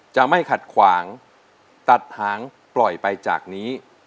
จะไม่ขัดขวางตัดหางปล่อยไปจากนี้